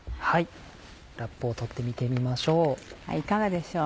ラップを取って見てみましょう。